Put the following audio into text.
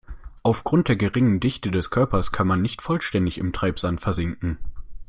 Aufgrund der geringeren Dichte des Körpers kann man nicht vollständig im Treibsand versinken.